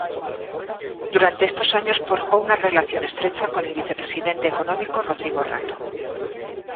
Durante estos años forjó una relación estrecha con el vicepresidente económico Rodrigo Rato.